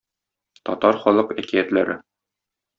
Татар халык әкиятләре